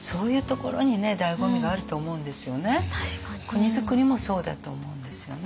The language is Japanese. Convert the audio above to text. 国づくりもそうだと思うんですよね。